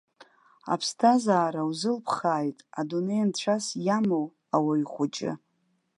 Аԥсҭазаара узылыԥхааит адунеи нцәас иамоу ауаҩ хәыҷы!